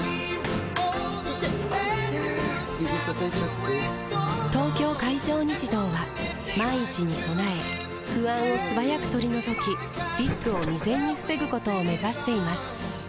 指たたいちゃって・・・「東京海上日動」は万一に備え不安を素早く取り除きリスクを未然に防ぐことを目指しています